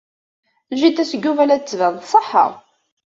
Jida-s n Yuba la d-tettban tṣeḥḥa.